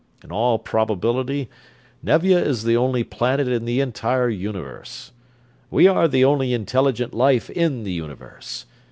In all probability Nevia is the only planet in the entire Universe. We are the only intelligent life in the Universe.